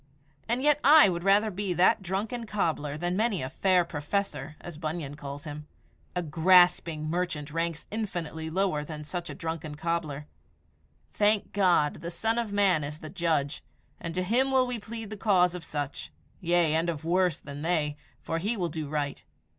And yet I would rather be that drunken cobbler than many a "fair professor," as Bunyan calls him. A grasping merchant ranks infinitely lower than such a drunken cobbler. Thank God, the Son of Man is the judge, and to him will we plead the cause of such yea, and of worse than they for He will do right.